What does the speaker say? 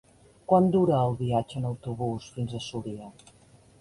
Quant dura el viatge en autobús fins a Súria?